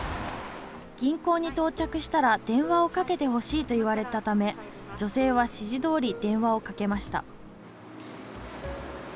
銀行に到着したら電話をかけてほしいと言われたため、女性は指示どおり電話をかけました。